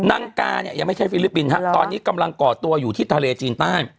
นางกาเนี่ยยังไม่ใช่ฟิลิปปินส์ฮะตอนนี้กำลังก่อตัวอยู่ที่ทะเลจีนใต้